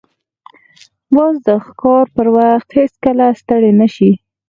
باز د ښکار پر وخت هیڅکله ستړی نه شي